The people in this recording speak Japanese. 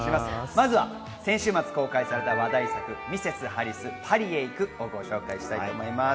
まずは先週末公開された話題作『ミセス・ハリス、パリへ行く』をご紹介します。